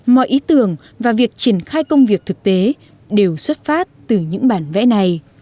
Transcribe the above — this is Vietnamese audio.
mọi ý tưởng và việc triển khai công việc thực tế đều xuất phát từ những bản vẽ này